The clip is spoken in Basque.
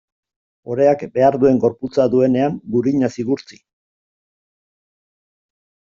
Oreak behar duen gorputza duenean, gurinaz igurtzi.